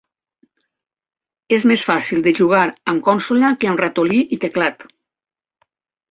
És més fàcil de jugar amb consola que amb ratolí i teclat.